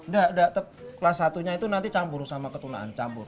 tidak kelas satunya itu nanti campur sama ketunaan